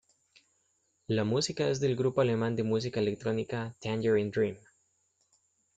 La música es del grupo alemán de música electrónica Tangerine Dream.